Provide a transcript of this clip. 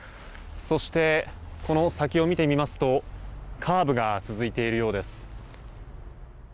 そして、この先を見てみますとカーブが続いているようです。